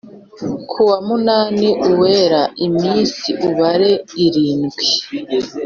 Kuwa munani Uwera iminsi ubare irindwi